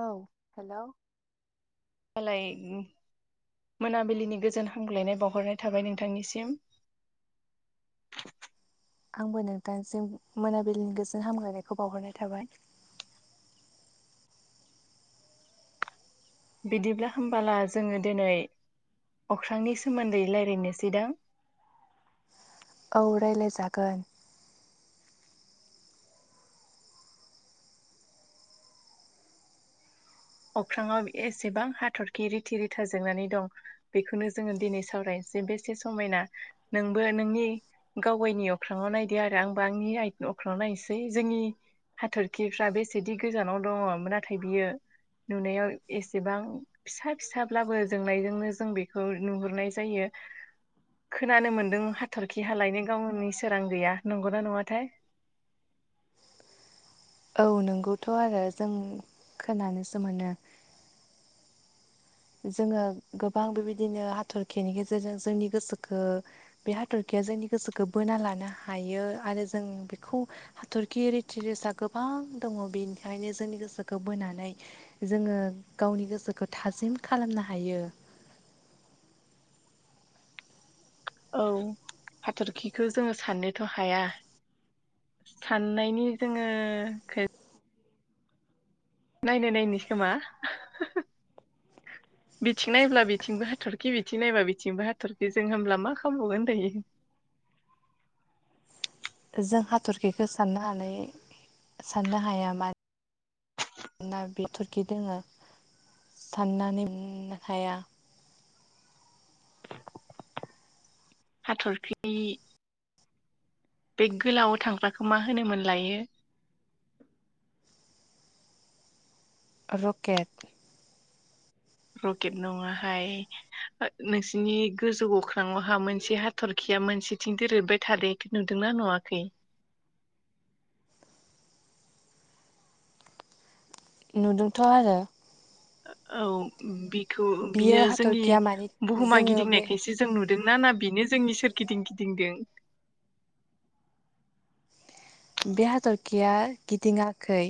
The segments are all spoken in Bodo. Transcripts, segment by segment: औ हेल'। [unintelligible] मोनाबिलिनि गोजोन हामग्लायनाय बावहरनाय थाबाय नोंथांनिसिम। आंबो नोंथांसिम मोनाबिलिनि गोजोन हामगायनायखौ बावहरनाय थाबाय। बिदिब्ला होमबोला जोङो दिनै। अख्रांनि सोमोन्दै राय्लायनोसै दां। औ राय्लायजागोन। अख्रांआव एसेबां हाथरखि रिथि-रिथा जोंनानै दं बेखौनो जोङो दिनै सावरायनोसै। बेसे समायना नोंबो नोंनि गावबायनि अख्राङाव नायदो आरो आंबो आंनि अख्राव नायसै जोंनि हाथरखिफ्रा बेसेदि गोजानाव दङ नाथाय बियो नुनायाव एसेबां फिसा-फिसाब्लाबो जोंनायजोंनो जों बेखौ नुहुरनाय जायो। खोनानो मोनदों हाथरखि हालायनो गावनि सोरां गैया। नंगौना नङाथाय? औ नोंगौथ' आरो जों खोनानोसो मोनो। जोङो गोबां बेबायदिनो हाथरखिनि गेजेरजों जोंनि गोसोखो बे हाथरखि- जोंनि गोसोखौ बोना लानो हायो आरो जों बेखौ हाथरखि रिथि-रिथा गोबां गोबां दङ बेनिखायनो जोंनि गोसोखौ बोनानै जोङो गावनि गोसोखौ थाजिम खालामनो हायो। औ हाथरखिखौ जोङो साननोथ' हाया। साननायनि जोङो नायनो नायनो खोमा। बिथिं नायब्ला बिथिंबो हाथरखि बिथिं नायबब्ला बिथिंबो हाथरखि जों होनोमब्ला मा खालामबावगोन दायो। जों हाथरखिखौ साननो हानाय साननो हाया मानो दाना बिथरखि दोङो साननानै हाया। हाथरखि। बे गोलाव थांगग्राखौ मा होनोमोन लायो? रकेट। रकेट नङाहाय नोंसिनि गोजौ गख्राङावहा मोनसे हाथरखि या मोनसेथिं दोरोबबाय थादो नुदोंना नुवाखै? नुदोंथ' आरो। औ बि। बियो जोंनि हाथरखिया मानि बुहुमा जोङो बे गिदिंनायखौायसो जों नुदोंना ना बेनो जोंनि सोरगिदिं गिदिंदों। बे हाथरखिया गिदिङाखै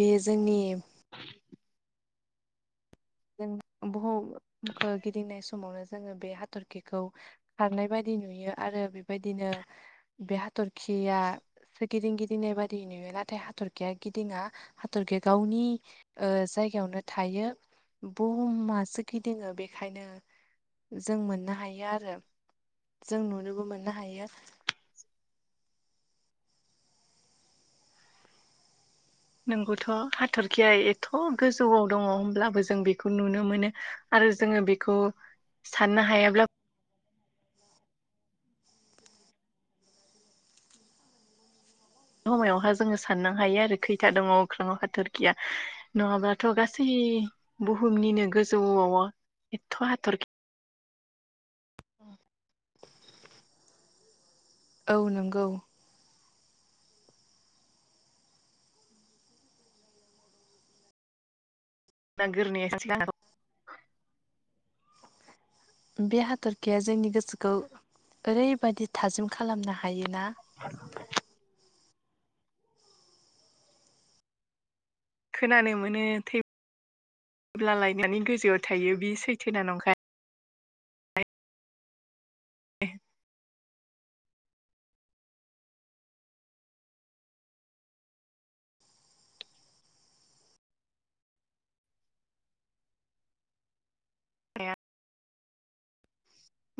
बे जोंनि [unintelligible] बुहुमखौ गिदिंनाय समावनो जोङो बे हाथरखिखौ खारनाय बायदि नुयो आरो। बेबायदिनो बे हाथरखिया। सोर गिदिं गिदिंनाय बादि नुयो नाथाय हाथरखिया गिदिङा हाथरखि गावनि जाय। जायगायावनो थायो। बुहुमासो गिदिङो बेखायनो जों मोननो हायो आरो। जों नुनोबो मोननो हायो। नोंगौथ' हाथरखिाया एथ' गोजौआव दङ होनोमब्लाबो जों बेखौ नुनो मोनो आरो। आरो जोङो बेखौ साननो हायाब्ला। समायावहा जोङो साननो हायो आरो खैथा दङ अख्राङाव हाथरखिया नङाब्लाथ' गासै। [inaudible] [inaudible] औ नंगौ गोरनि बे हाथरखिाया जोंनि गोसोखौ ओरैबाददि थाजिम खालामनो हायो। ना? खोनानो मोनो थै जेब्ला लायनानै गोजौआव थायो बि सैथोना नंखाय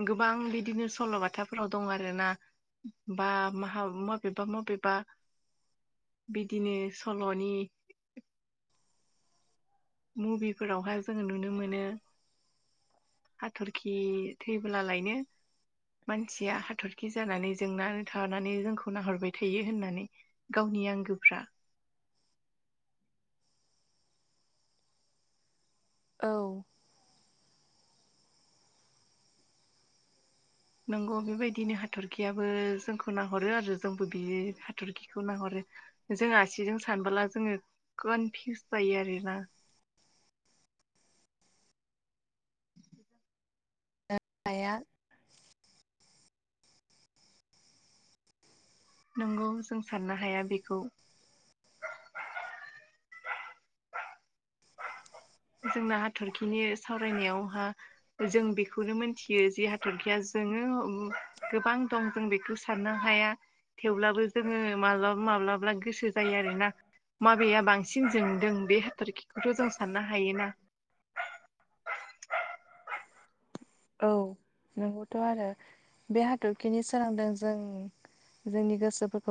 गोबां बिदिनो सल'बाथाफोराव दं आरोना बा महा मबेबा मबेबा बिदिनो सल'नि मुभिफोरावहाय जोङो नुनो मोनो। हाथरखि थैबोला लायनो मानसिया हाथरखि जानानै जोंनानै थानानै जोंखौ नाहरबाय थायो होननानै गाव नि आंगोफ्रा औ नोंगौ बेबायदिनो हाथरखियाबो जोंखौ नाहरो आरो जोंबो बे हाथरखिखौ नाहरो जों आसिजों सानबोला जोङो कनफिउस जायो आरोना [inaudible] [inaudible] आया नोंगौ जों साननो हाया बेखौ [inaudible] जोंना हाथरखिनि सावरायनायावहा जों बेखौनो मोनथियो जे हाथरखिया जोङो गोबां दं जों बेखौ साननो हाया। थेवब्लाबो जोङो माब्लाबा माब्लाबा गोसो जायो आरोना। माबेाया बांसिन जोंदों बे हाथरखिखौथ' जों साननो ह हायो ना? औ नोंगौथ' आरो बे हाथरखिनि सोरांदों जों जोंनि गसो